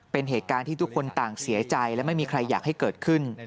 เป็นเหตุการณ์ที่ทุกคนต่างเสียใจและไม่มีใครอยากให้เกิดขึ้น